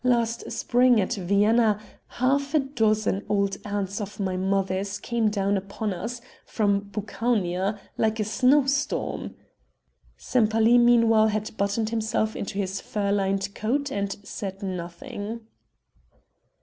Last spring, at Vienna, half a dozen old aunts of my mother's came down upon us from Bukowina like a snow storm...." Sempaly meanwhile had buttoned himself into his fur lined coat and said nothing.